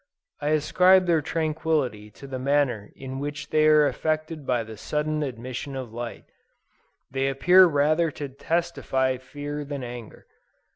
I ascribe their tranquility to the manner in which they are affected by the sudden admission of light, they appear rather to testify fear than anger.